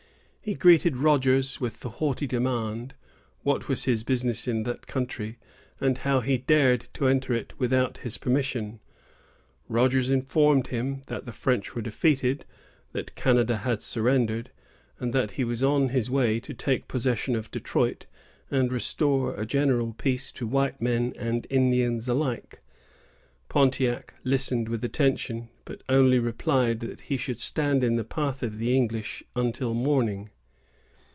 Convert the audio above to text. He greeted Rogers with the haughty demand, what was his business in that country, and how he dared enter it without his permission. Rogers informed him that the French were defeated, that Canada had surrendered, and that he was on his way to take possession of Detroit, and restore a general peace to white men and Indians alike. Pontiac listened with attention, but only replied that he should stand in the path of the English until morning.